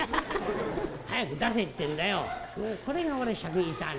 「早く出せってえんだよ。これが俺癪に障るんだ。